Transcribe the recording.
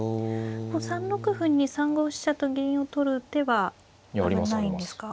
３六歩に３五飛車と銀を取る手は危ないんですか。